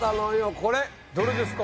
これどれですか？